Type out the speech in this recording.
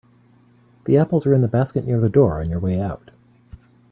The apples are in the basket near the door on your way out.